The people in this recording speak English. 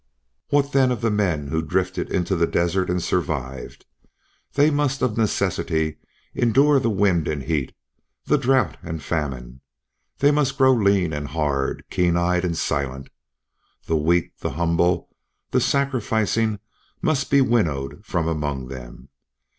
What then of the men who drifted into the desert and survived? They must of necessity endure the wind and heat, the drouth and famine; they must grow lean and hard, keen eyed and silent. The weak, the humble, the sacrificing must be winnowed from among them.